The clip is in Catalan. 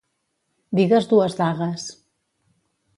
Digues dues dagues